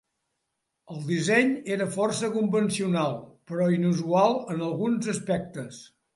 El disseny era força convencional, però inusual en alguns aspectes.